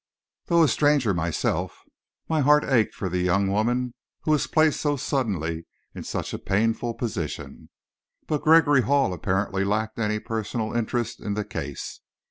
Though a stranger myself, my heart ached for the young woman who was placed so suddenly in such a painful position, but Gregory Hall apparently lacked any personal interest in the case.